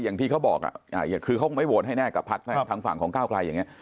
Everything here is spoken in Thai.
อย่างที่เขาบอกคือเขาคงไม่โหวตให้แน่กับพักทางฝั่งของก้าวไกลอย่างนี้